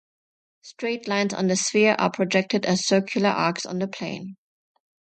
Straight lines on the sphere are projected as circular arcs on the plane.